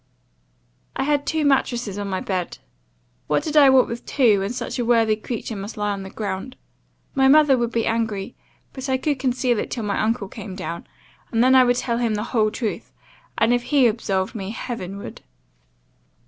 "I had two mattresses on my bed; what did I want with two, when such a worthy creature must lie on the ground? My mother would be angry, but I could conceal it till my uncle came down; and then I would tell him all the whole truth, and if he absolved me, heaven would.